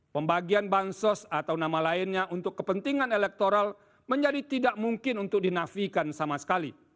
pembagian bansos atau nama lainnya untuk kepentingan elektoral menjadi tidak mungkin untuk dinafikan sama sekali